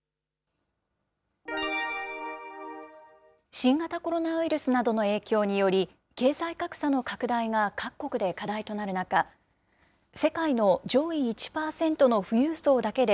新型コロナウイルスなどの影響により、経済格差の拡大が各国で課題となる中、世界の上位１％の富裕層だけで、